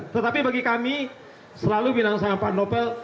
tetapi bagi kami selalu bilang sama pak novel